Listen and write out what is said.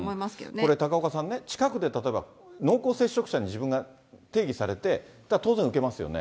これ、高岡さんね、近くで例えば濃厚接触者に自分が定義されて、当然、受けますよね。